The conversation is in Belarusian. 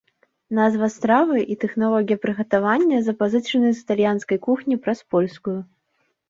Назва стравы і тэхналогія прыгатавання запазычаныя з італьянскай кухні праз польскую.